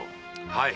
はい。